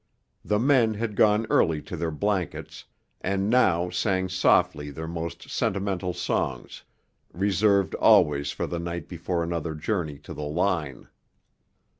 The men had gone early to their blankets, and now sang softly their most sentimental songs, reserved always for the night before another journey to the line.